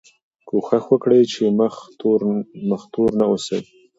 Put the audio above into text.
کوښښ وکړئ چې مخ تور نه اوسئ.